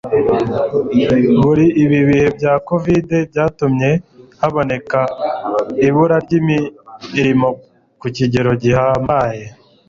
muri ibi bihe bya covid- byatumye haboneka ibura ry' imirimo ku kigero gihambaye